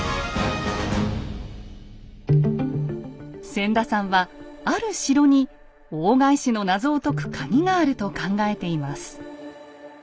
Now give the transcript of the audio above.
千田さんはある城に大返しのナゾを解くカギがあると考えています。